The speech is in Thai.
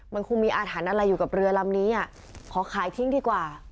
มันคงมีอาถรรพ์อะไรอยู่กับเรือลำนี้อ่ะขอขายทิ้งดีกว่า